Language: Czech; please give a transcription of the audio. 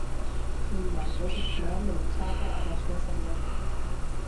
Tím má kořist méně nepřátel a začne se množit.